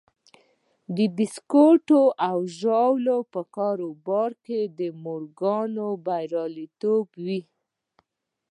د بيسکويټو او ژاولو په کاروبار کې د مورګان برياليتوب و.